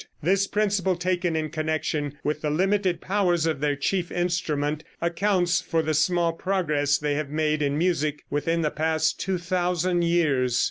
This principle, taken in connection with the limited powers of their chief instrument, accounts for the small progress they have made in music within the past 2000 years.